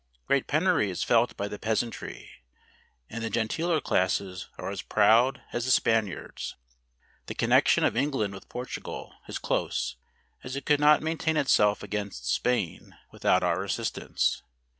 Great penury is felt by the peasantry, and the genteeler classes are as proud as the Spaniards. The connexion of England with Portugal is close, as it could not maintain itself against Spain without our assistance.